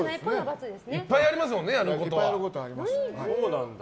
いっぱいありますもんね。